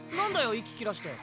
息切らして。